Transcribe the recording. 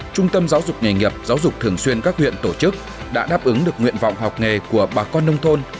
trung tâm giáo dục nghề nghiệp giáo dục thường xuyên các huyện tổ chức đã đáp ứng được nguyện vọng học nghề của bà con nông thôn